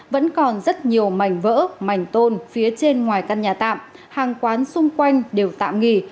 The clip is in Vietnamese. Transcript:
vẫn còn rất nhiều mảnh vỡ mảnh tôn phía trên ngoài căn nhà tạm hàng quán xung quanh đều tạm nghỉ